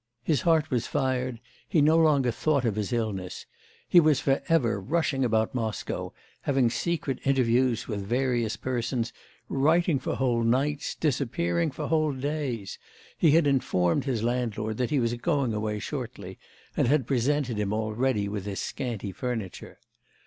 His heart was fired, he no longer thought of his illness. He was for ever rushing about Moscow, having secret interviews with various persons, writing for whole nights, disappearing for whole days; he had informed his landlord that he was going away shortly, and had presented him already with his scanty furniture.